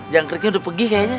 jangkriknya udah pergi kayaknya